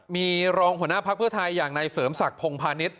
มีรองหัวหน้าพักเพื่อไทยอย่างในเสริมศักดิ์พงพาณิชย